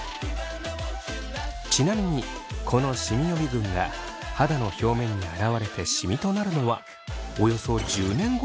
ちなみにこのシミ予備軍が肌の表面に現れてシミとなるのはおよそ１０年後だといいます。